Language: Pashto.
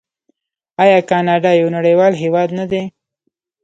آیا کاناډا یو نړیوال هیواد نه دی؟